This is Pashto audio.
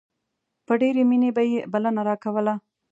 په ډېرې مينې به يې بلنه راکوله.